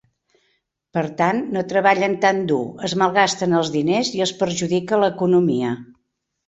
Per tant, no treballen tan dur, es malgasten els diners i es perjudica l'economia.